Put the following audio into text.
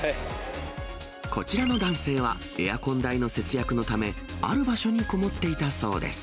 こちらの男性はエアコン代の節約のため、ある場所に籠もっていたそうです。